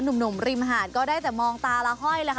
หนุ่มริมหาดก็ได้แต่มองตาละห้อยแล้วค่ะ